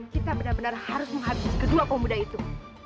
kita benar benar harus menghabis kedua pemuda itu